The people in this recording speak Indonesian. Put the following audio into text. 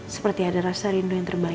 seperti ada rasa rindu yang terbaik